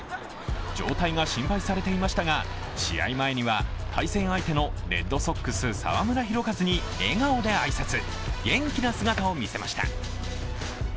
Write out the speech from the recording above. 状態が心配されていましたが、試合前には対戦相手のレッドソックス、澤村拓一に笑顔で挨拶、元気な姿を見せました。